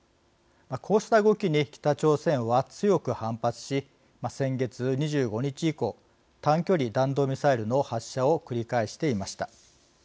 こうした動きに北朝鮮は強く反発し先月２５日以降短距離弾道ミサイルの発射を繰り返していました。